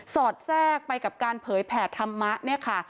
อดแทรกไปกับการเผยแผ่ธรรมะเนี่ยค่ะ